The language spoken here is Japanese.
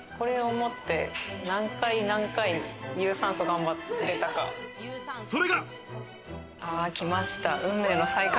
これを持って何回何回、有酸素頑張れたか。